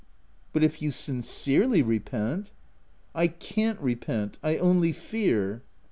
"' But if you sincerely repent —*"' I can't repent ; I only fear.'